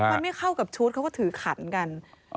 มันไม่เข้ากับชุดเขาก็ถือขันกัน